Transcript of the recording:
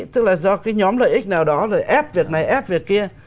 tức là do cái nhóm lợi ích nào đó rồi ép việc này ép việc kia